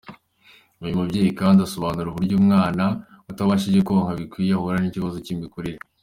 Uyu mubyeyi kandi asobanura uburyo umwana utabashije konka bikwiye ahura n’ikibazo cy’imikurire.